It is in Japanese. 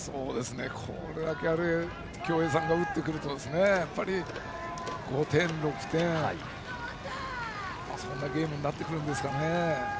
これだけ共栄さんが打ってくると５点、６点、そんなゲームになってくるんですかね。